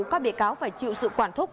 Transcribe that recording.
các bị cáo phải chịu sự quản thúc